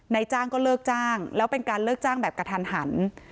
นายจ้างก็เลิกจ้างแล้วเป็นการเลิกจ้างแบบกระทันหัน